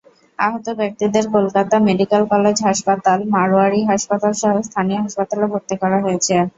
আহত ব্যক্তিদের Kolkata medical college হাসপাতাল, মারোয়ারি হাসপাতালসহ স্থানীয় হাসপাতালে ভর্তি করা হয়েছে।